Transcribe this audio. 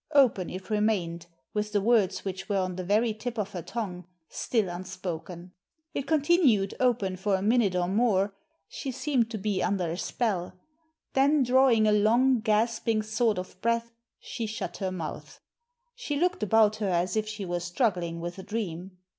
Open it remainecj, with the words which were on the very tip of her tongue still unspoken. It continued open for a minute or more; she seemed to be under a Digitized by VjOOQIC 240 THE SEEN AND THE UNSEEN spell. Then, drawing a long, gasping sort of breath, she shut her mouth. She looked about her as if she were struggling with a dream.